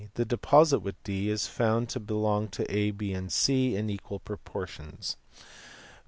This deposit with D is found to belong to A, B, and C in equal proportions.